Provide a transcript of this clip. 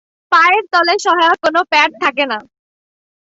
পায়ের তলে সহায়ক কোনো প্যাড থাকে না।